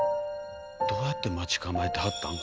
どうやって待ち構えてはったん？